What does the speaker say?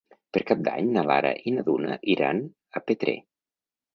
Per Cap d'Any na Lara i na Duna iran a Petrer.